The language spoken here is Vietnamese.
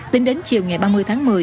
tính đến chiều ngày ba mươi tháng một mươi